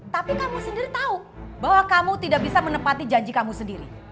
tapi kamu sendiri tahu bahwa kamu tidak bisa menepati janji kamu sendiri